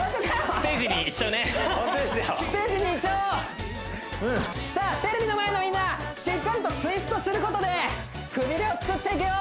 ステージに行っちゃおうさあテレビの前のみんなしっかりとツイストすることでくびれを作っていくよ・